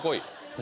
何？